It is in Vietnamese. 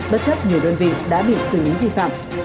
bất chấp nhiều đơn vị đã bị xử lý vi phạm